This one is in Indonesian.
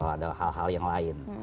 atau ada hal hal yang lain